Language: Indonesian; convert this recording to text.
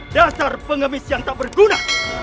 dasar pengemis yang tak berguna